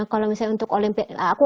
kalau misalnya untuk olimpiade